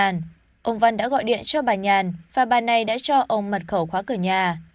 ông văn đã gọi điện cho bà nhàn và bà này đã cho ông mật khẩu khóa cửa nhà